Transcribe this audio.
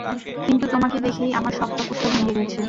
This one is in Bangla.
কিন্তু তোমাকে দেখেই আমার সব তপস্যা ভেঙ্গে গেছে।